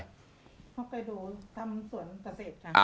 ฮอกไกโดทำสวนเกษตรค่ะ